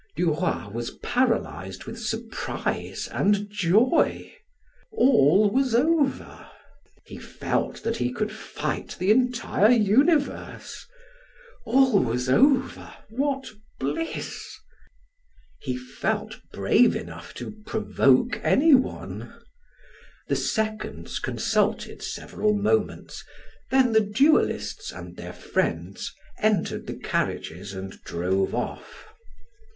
Duroy was paralyzed with surprise and joy. All was over! He felt that he could fight the entire universe. All was over! What bliss! He felt brave enough to provoke anyone. The seconds consulted several moments, then the duelists and their friends entered the carriages and drove off.